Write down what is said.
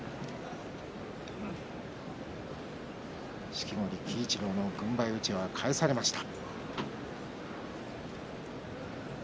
式守鬼一郎の軍配うちわが返されました。